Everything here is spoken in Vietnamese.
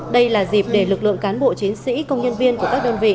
đây là dịp để lực lượng cán bộ chiến sĩ công nhân viên của các đơn vị